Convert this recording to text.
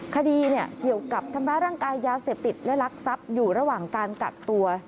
คดีเกี่ยวกับทำร้ายร่างกายยาเสพติดและรักทรัพย์อยู่ระหว่างการกักตัว